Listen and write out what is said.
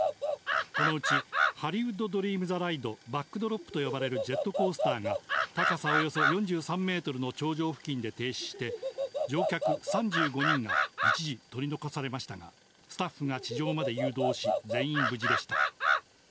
このうち、ハリウッド・ドリーム・ザ・ライド・バックドロップと呼ばれるジェットコースターが、高さおよそ４３メートルの頂上付近で停止して、乗客３５人が一時、取り残されましたが、スタッフが地上まで誘導し、全員無事でした。